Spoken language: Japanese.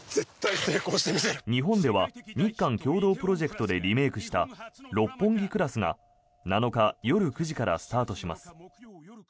日本では日韓共同プロジェクトでリメイクした「六本木クラス」が７日夜９時からスタートします。